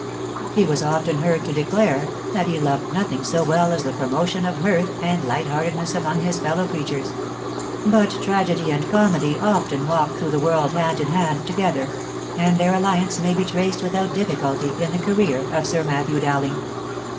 He was often heard to declare, that he loved nothing so well as the promotion of mirth and light heartedness among his fellow creatures ; but tragedy and comedy often walk through the world hand in hand together, and their alliance may be traced without difficulty in the career of Sir Matthew Dowling.